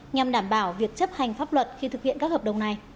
nhằm đảm bảo việc chấp hành pháp luật khi thực hiện các hợp đồng này